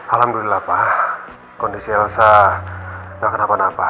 alhamdulillah pak kondisi elsa tidak kenapa napa